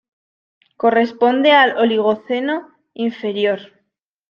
Corresponde al Oligoceno inferior.